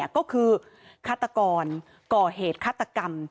ก็คือฆาตกรก่อเหตุฆาตกรรม